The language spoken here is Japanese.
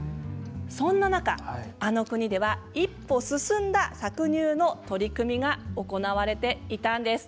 そんな中あの国では一歩進んだ搾乳の取り組みが行われていたんです。